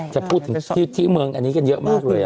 จะพูดถึงที่เมืองอันนี้กันเยอะมากเลย